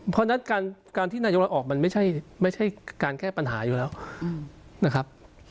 เพราะฉะนั้นการที่นายกรัฐออกมันไม่ใช่การแก้ปัญหาอยู่แล้วนะครับ